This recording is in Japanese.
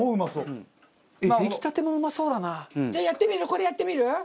これやってみる？